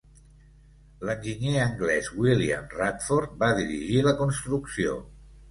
L'enginyer anglès William Radford va dirigir la construcció.